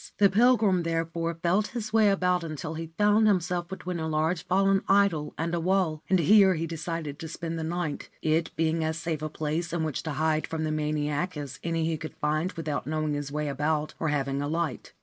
The pilgrim, therefore, felt his way about until he found himself between a large fallen idol and a wall ; and here he decided to spend the night, it being as safe a place in which to hide from the maniac as any he could find without knowing his way about or having a light.